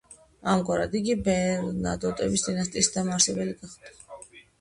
ამგვარად იგი ბერნადოტების დინასტიის დამაარსებელი გახდა.